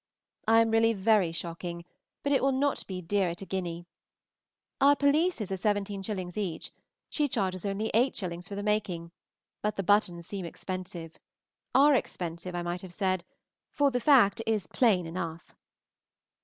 I am really very shocking, but it will not be dear at a guinea. Our pelisses are 17_s._ each; she charges only 8_s._ for the making, but the buttons seem expensive, are expensive, I might have said, for the fact is plain enough.